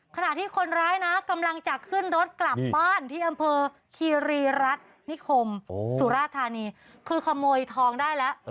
ขณะที่คนร้ายนะกำลังจะขึ้นรถกลับบ้านที่อำเภอคีรีรัฐนิคมสุราธานีคือขโมยทองได้แล้ว